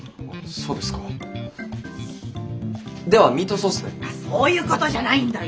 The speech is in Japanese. そういうことじゃないんだよ！